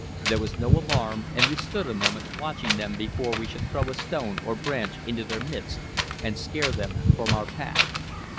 There was no alarm, and we stood a moment watching them before we should throw a stone or branch into their midst and scare them from our path.